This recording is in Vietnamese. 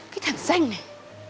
cái thằng danh này